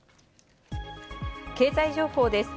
経済情報です。